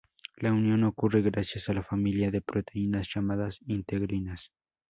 La unión ocurre gracias a la familia de proteínas llamadas integrinas.